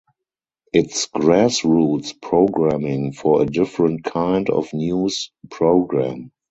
It's grassroots programming for a different kind of news program.